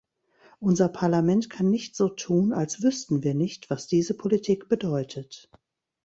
Unser Parlament kann nicht so tun, als wüßten wir nicht, was diese Politik bedeutet.